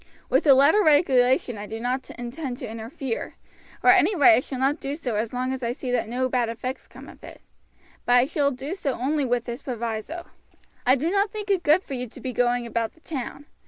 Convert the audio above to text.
With the latter regulation I do not intend to interfere, or at any rate I shall not do so so long as I see that no bad effects come of it; but I shall do so only with this proviso: I do not think it good for you to be going about the town.